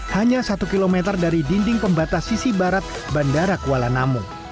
hanya satu km dari dinding pembatas sisi barat bandara kuala namu